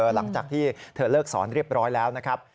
หลังจากที่เธอเลิกสอนเรียบร้อยแล้วนะครับ